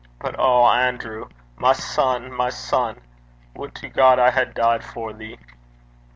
But O Anerew! my son! my son! Would God I had died for thee!'